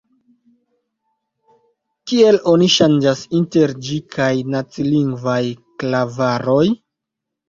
Kiel oni ŝanĝas inter ĝi kaj nacilingvaj klavaroj?